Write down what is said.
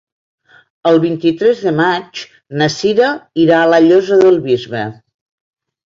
El vint-i-tres de maig na Cira irà a la Llosa del Bisbe.